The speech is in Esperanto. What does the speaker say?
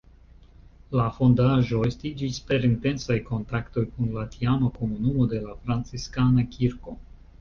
La fondaĵo estiĝis per intensaj kontaktoj kun la tiama komunumo de la Franciskana kirko.